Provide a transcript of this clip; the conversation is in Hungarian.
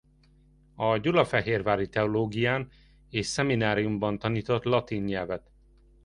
A gyulafehérvári teológián és a szemináriumban tanított latin nyelvet.